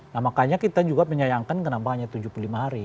nah makanya kita juga menyayangkan kenapa hanya tujuh puluh lima hari